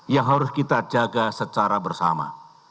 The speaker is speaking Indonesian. yang harus kita jaga secara bersama